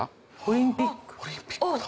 オリンピック。